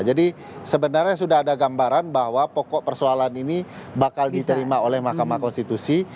jadi sebenarnya sudah ada gambaran bahwa pokok persoalan ini bakal diterima oleh mahkamah konstitusi